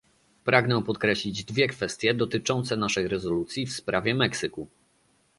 Pragnę podkreślić dwie kwestie dotyczące naszej rezolucji w sprawie Meksyku